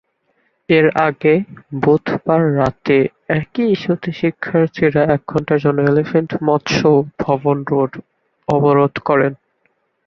এর আগে, বুধবার রাতে একই ইস্যুতে শিক্ষার্থীরা এক ঘণ্টার জন্য এলিফ্যান্ট-মৎস্য ভবন রোড অবরোধ করে।